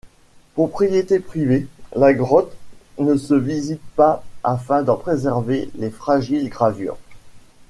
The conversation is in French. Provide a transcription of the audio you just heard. Propriété privée, la grotte ne se visite pas afin d'en préserver les fragiles gravures.